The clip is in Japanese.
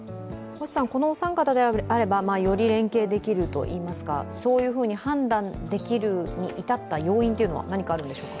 このお三方であればより連携できるといいますかそういうふうに判断できるに至った要因というのは何かあるんでしょうか？